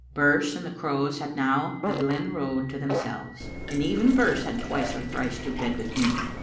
Birse and the crows had now the glen road to themselves, and even Birse had twice or thrice to bed with me.